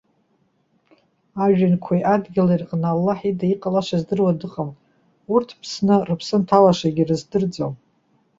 Ажәҩанқәеи адгьыли рыҟны Аллаҳ ида иҟалаша здыруа дыҟам. Урҭ ԥсны, рыԥсы анҭалашагьы рыздырӡом.